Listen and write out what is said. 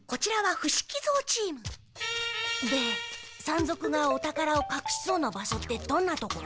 山賊がお宝をかくしそうな場所ってどんなところ？